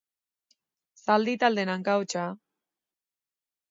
Zaldi taldearen hanka hotsa.